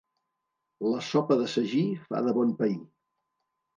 La sopa de sagí fa de bon pair.